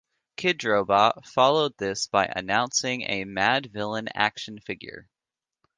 Kidrobot followed this by announcing a Madvillain action figure.